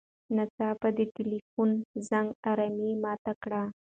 ناڅاپه د تیلیفون زنګ ارامي ماته کړه.